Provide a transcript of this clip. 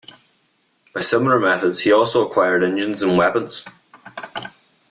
By similar methods, he also acquired engines and weapons.